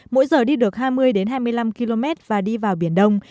mỗi giờ đi được hai mươi hai mươi năm km và đi vào biển đông